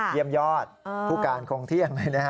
เยี่ยมยอดผู้การคงเที่ยง